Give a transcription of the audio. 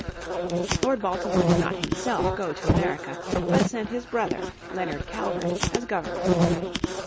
Lord Baltimore did not himself go to America, but sent his brother, Leonard Calvert, as Governor.